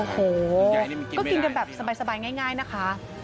โอ้โหก็กินกันแบบสบายง่ายนะคะ